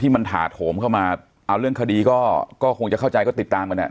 มันถาโถมเข้ามาเอาเรื่องคดีก็คงจะเข้าใจก็ติดตามกันอ่ะ